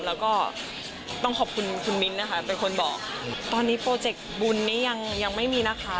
แล้วก็ต้องขอบคุณคุณมิ้นท์นะคะเป็นคนบอกตอนนี้โปรเจกต์บุญนี้ยังยังไม่มีนะคะ